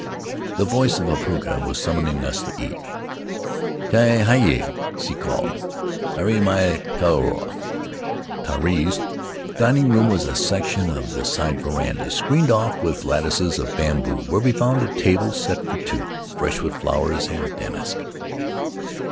The voice of Apakura was summoning us to eat. "Kaikai! 9 she called: "Aere mai korua!" Tari's dining room was a section of the side veranda, screened off with lattices of bamboo, where we found a table set for two, fresh with flowers and damask.